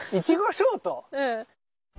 うん。